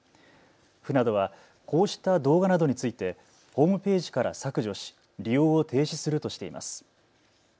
府などはこうした動画などについてホームページから削除し利用を停止するとしています。